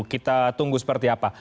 kita tunggu seperti apa